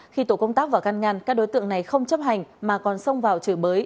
khi tổ công tác vào căn ngăn các đối tượng này không chấp hành mà còn xông vào chửi bới